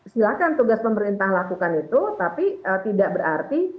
silahkan tugas pemerintah lakukan itu tapi tidak berarti